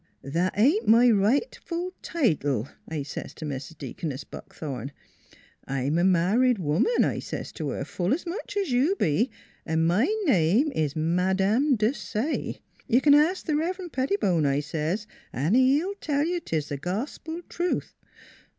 That ain't my rightful title, I says to Mis Deaconess Buckthorn. I am a married woman, I says to her, full as much as you be, & my name is Madame Desaye. You can ask the Revrend Pettibone, I says, & he will tell you tis gospel truth.